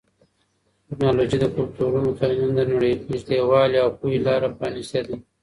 ټیکنالوژي د کلتورونو ترمنځ د نږدېوالي او پوهې لاره پرانیستې ده.